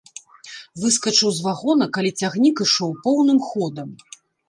Выскачыў з вагона, калі цягнік ішоў поўным ходам.